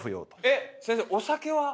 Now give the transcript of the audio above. えっ先生お酒は？